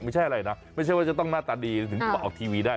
ไม่ใช่อะไรนะไม่ใช่ว่าจะต้องหน้าตาดีถึงตัวออกทีวีได้